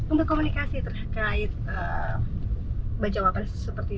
untuk komunikasi terkait baca wabah seperti itu